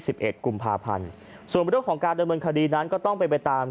เอ็ดกุมภาพันธ์ส่วนเรื่องของการดำเนินคดีนั้นก็ต้องไปไปตาม